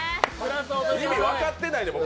意味分かってないねん